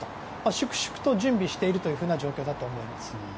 粛々と準備しているという状況だと思います。